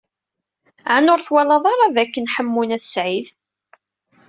Ɛni ur twalaḍ ara dakken Ḥemmu n At Sɛid?